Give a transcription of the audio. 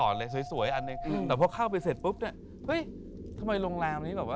บ๊วยบ้านเก่านี่ว่ะ